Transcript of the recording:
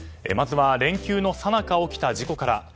まずは連休のさなか起きた事故から。